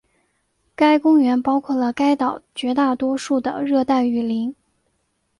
该公园包括了该岛绝大多数的热带雨林。